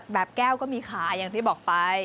แก้วก็มีขาอย่างที่บอกไป